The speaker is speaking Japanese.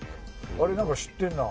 あれなんか知ってるな。